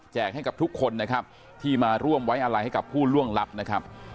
ให้กับทุกคนนะครับที่มาร่วมไว้อะไรให้กับผู้ล่วงลับนะครับ